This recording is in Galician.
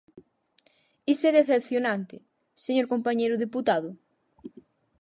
Iso é decepcionante, señor compañeiro deputado.